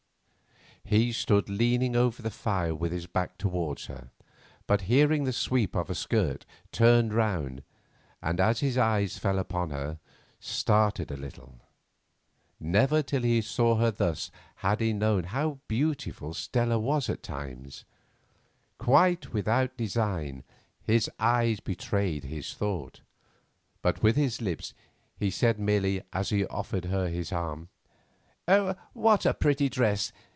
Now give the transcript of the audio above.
He stood leaning over the fire with his back towards her, but hearing the sweep of a skirt turned round, and as his eyes fell upon her, started a little. Never till he saw her thus had he known how beautiful Stella was at times. Quite without design his eyes betrayed his thought, but with his lips he said merely as he offered her his arm,— "What a pretty dress!